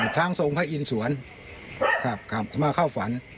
ช่างทรงพระอินสวรรค์กลับมาเข้าฝัน